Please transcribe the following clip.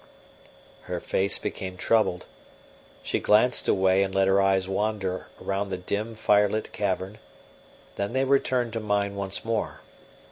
Her face became troubled; she glanced away and let her eyes wander round the dim, firelit cavern; then they returned to mine once more.